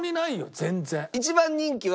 全然。